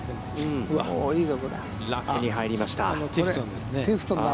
ラフに入りました。